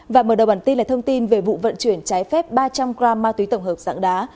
và mở đầu bản tin là thông tin về vụ vận chuyển trái phép ba trăm linh g ma túy tổng hợp dạng đá